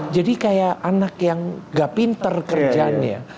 jadi kayak anak yang nggak pinter kerjanya